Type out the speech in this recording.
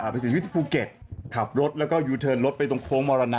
เขาสีวิตภูเก็ตขับรถแล้วก็ยูเทินรถไปตรงโพงมรณะ